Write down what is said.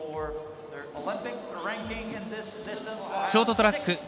ショートトラック